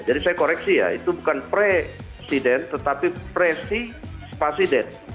jadi saya koreksi ya itu bukan presiden tetapi presi spasiden